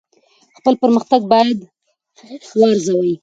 خپل پرمختګ باید وارزوئ.